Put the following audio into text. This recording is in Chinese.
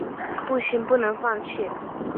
不行，不能放弃